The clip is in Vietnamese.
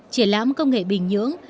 triển lãm công nghệ bình nhưỡng